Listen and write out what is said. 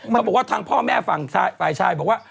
บอกว่าทางพ่อแม่ฝั่งฝ่ายชายบอกว่า